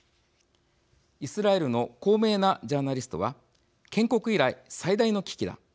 イスラエルの高名なジャーナリストは「建国以来最大の危機だ。